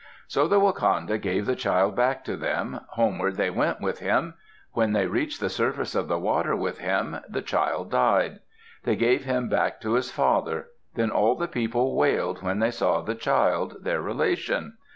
So the wakanda gave the child back to them; homeward they went with him. When they reached the surface of the water with him, the child died. They gave him back to his father. Then all the people wailed when they saw the child, their relation.